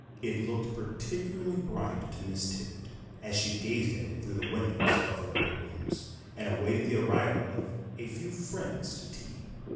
It looked particularly bright to Miss Tippet, as she gazed at it through the windows of her upper rooms, and awaited the arrival of "a few friends" to tea.